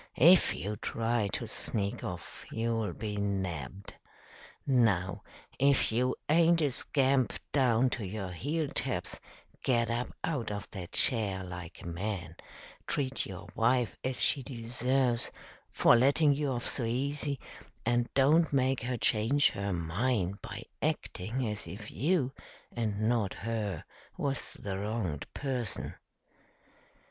If you try to sneak off, you'll be nabbed. Now, if you aint a scamp down to your heel taps, get up out of that chair like a man, treat your wife as she deserves for letting you off so easy, and don't make her change her mind by acting as if you, and not her, was the wronged person."